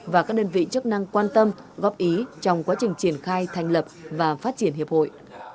và các đơn vị chức năng quan tâm góp ý trong quá trình triển khai thành lập và phát triển hiệp hội